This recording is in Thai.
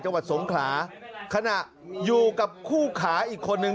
จังหวัดสงขลาขณะอยู่กับคู่ขาอีกคนนึง